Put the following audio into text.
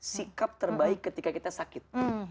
sikap terbaik ketika kita sakit